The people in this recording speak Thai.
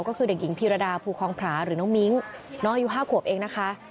ก็คือเด็กหญิงภีรดาภูคลองพร้าหรือน้องมิ้งค์น้อยู่ภาคขวบเองนะคะ